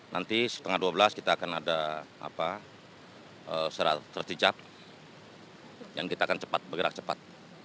nanti setengah dua belas kita akan ada serat terticap dan kita akan cepat bergerak cepat